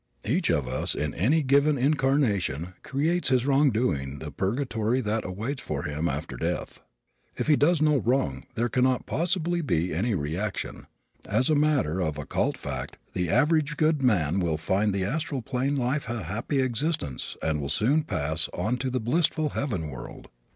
Each of us in any given incarnation creates by his wrong doing the purgatory that awaits him after death. If he does no wrong there cannot possibly be any reaction. As a matter of occult fact the average good man will find the astral plane life a happy existence and will soon pass on to the blissful heaven world.